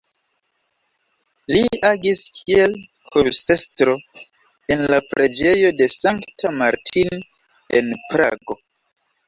Li agis kiel korusestro en la Preĝejo de Sankta Martin en Prago.